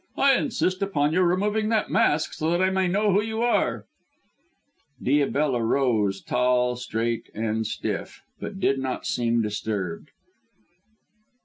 I insist upon your removing that mask so that I may know who you are." Diabella rose, tall and straight and stiff, but did not seem disturbed.